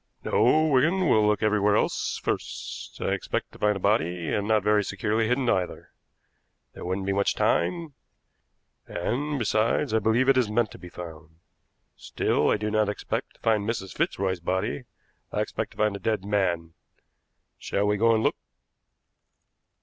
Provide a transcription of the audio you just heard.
"No, Wigan; we'll look everywhere else first. I expect to find a body, and not very securely hidden either; there wouldn't be much time; and, besides, I believe it is meant to be found. Still I do not expect to find Mrs. Fitzroy's body. I expect to find a dead man. Shall we go and look?"